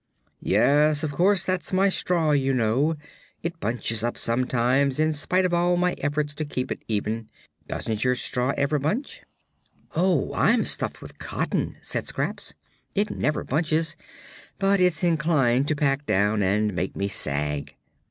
"Yes, of course; that's my straw, you know. It bunches up, sometimes, in spite of all my efforts to keep it even. Doesn't your straw ever bunch?" "Oh, I'm stuffed with cotton," said Scraps. "It never bunches, but it's inclined to pack down and make me sag."